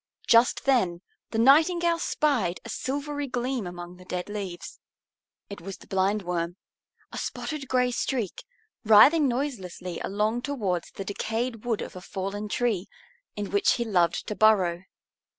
Just then the Nightingale spied a silvery gleam among the dead leaves. It was the Blindworm, a spotted gray streak, writhing noiselessly along towards the decayed wood of a fallen tree, in which he loved to burrow.